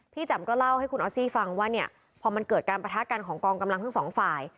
แจ่มก็เล่าให้คุณออสซี่ฟังว่าเนี่ยพอมันเกิดการประทะกันของกองกำลังทั้งสองฝ่าย